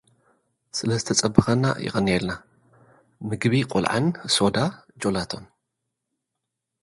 ስለእተጸበኻና የቐን የልና። ምግቢ ቆልዓን ሶዳ ጀላቶን።